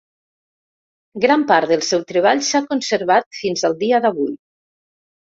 Gran part del seu treball s'ha conservat fins al dia d'avui.